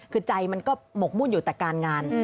คือใจมันก็หมกมุ่นอยู่แต่การงาน